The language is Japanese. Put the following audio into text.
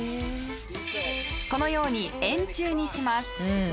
このように円柱にします。